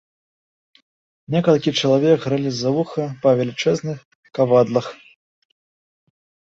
Некалькі чалавек грэлі з-за вуха па велічэзных кавадлах.